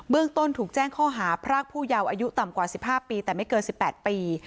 เบื้องต้นถูกแจ้งข้อหาพรากผู้ยาวอายุต่ำกว่าสิบห้าปีแต่ไม่เกินสิบแปดปี